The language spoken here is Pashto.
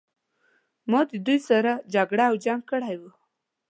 ما د دوی سره جګړه او جنګ کړی وای.